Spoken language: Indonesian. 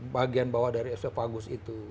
bagian bawah dari esopagus itu